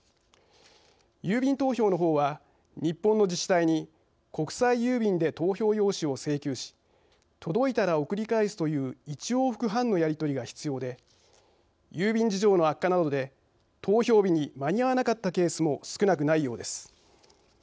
郵便投票のほうは日本の自治体に国際郵便で投票用紙を請求し届いたら送り返すという１往復半のやり取りが必要で郵便事情の悪化などで投票日に間に合わなかったケースも少なくないようです。